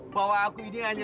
bahwa aku ini aja sudah jelas